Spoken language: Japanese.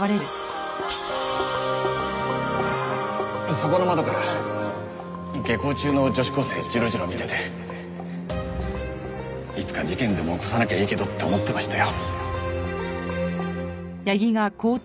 そこの窓から下校中の女子高生ジロジロ見てていつか事件でも起こさなきゃいいけどって思ってましたよ。